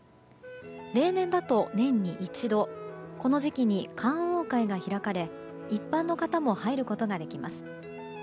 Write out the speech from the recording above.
例年だと年に一度この時期に観桜会が開かれ一般の方も入ることができます。